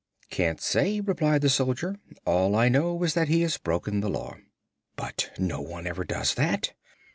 "Can't say," replied the soldier. "All I know is that he has broken the Law." "But no one ever does that!"